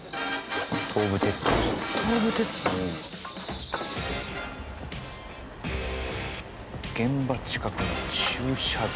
「東武鉄道」「東武鉄道」「現場近くの駐車場」？